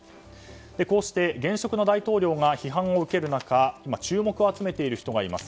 こうして現職の大統領が批判を受ける中今、注目を集めている人がいます。